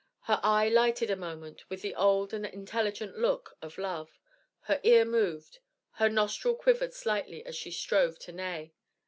Her eye lighted a moment with the old and intelligent look of love. Her ear moved. Her nostril quivered slightly as she strove to neigh.